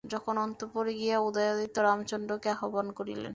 তখন অন্তঃপুরে গিয়া উদয়াদিত্য রামচন্দ্রকে আহ্বান করিলেন।